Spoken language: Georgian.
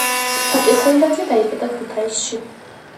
ფატი ხუნდაძე დაიბადა ქუთაისში.